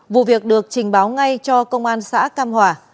vụ việc được trình báo ngay cho công an xã cam hòa